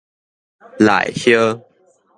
鶆鴞